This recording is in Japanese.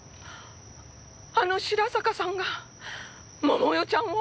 あの白坂さんが桃代ちゃんを！？